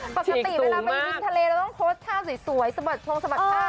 ปกติเวลาไปบินทะเลเราต้องโค้ชท่าสวยสะบัดพรงสะบัดผ้า